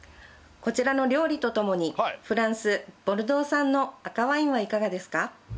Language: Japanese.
こちらの料理とともにフランスボルドー産の赤ワインはいかがですか？